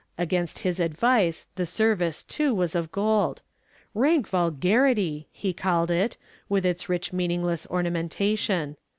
Against his advice the service, too, was of gold, "rank vulgarity," he called it, with its rich meaningless ornamentation.